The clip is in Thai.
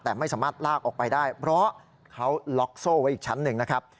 แต่ไม่สามารถลากออกไปได้เพราะเขาล็อกโซ่ไว้อีกชั้นหนึ่งนะครับ